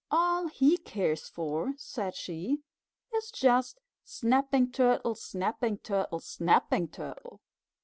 "All he cares for," said she, "is just Snapping Turtle, Snapping Turtle, Snapping Turtle.